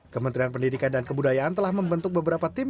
kementerian pendidikan dan kebudayaan telah membentuk beberapa tim